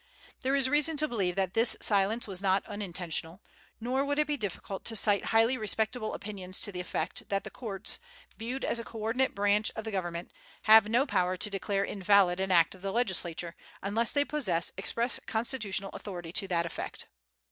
There is reason to believe that this silence was not unintentional; nor would it be difficult to cite highly respectable opinions to the effect that the courts, viewed as a co ordinate branch of the government, have no power to declare invalid an Act of the Legislature, unless they possess express constitutional authority to that effect.